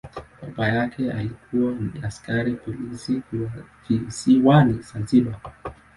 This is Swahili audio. Baba yake alikuwa ni askari polisi visiwani Zanzibar.